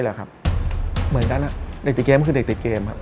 เหมือนกันเด็กติดเกมก็คือเด็กติดเกมครับ